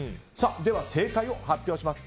では正解を発表します。